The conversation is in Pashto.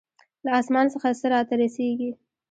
له آسمان څخه څه راته رسېږي.